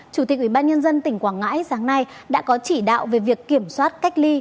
chủ tịch ubnd tỉnh quảng ngãi sáng nay đã có chỉ đạo về việc kiểm soát cách ly